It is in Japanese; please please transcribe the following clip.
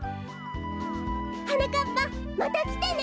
はなかっぱまたきてね！